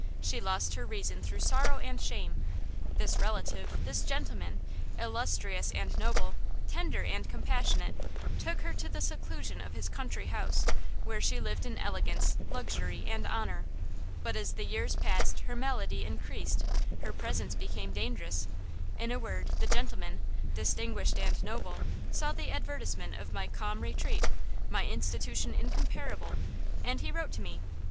She lost her reason through sorrow and shame. This relative–this gentleman, illustrious and noble, tender and compassionate–took her to the seclusion of his country house, where she lived in elegance, luxury and honor. But as the years passed her malady increased; her presence became dangerous; in a word, the gentleman, distinguished and noble, saw the advertisement of my 'Calm Retreat,' my institution incomparable, and he wrote to me.